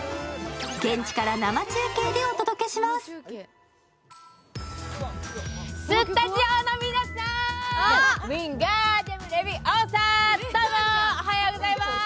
現地から生中継でお届けします。